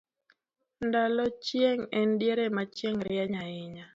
ndalo chieng' en diere na chieng' rieny ahinya